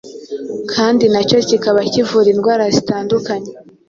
kandi na cyo kikaba kivura indwara zitandukanye